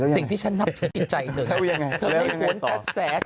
ซิ่งที่ฉันนักจิตใจเธอ